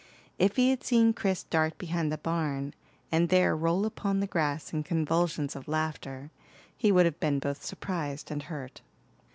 If he had seen Chris dart behind the barn, and there roll upon the grass in convulsions of laughter, he would have been both surprised and hurt.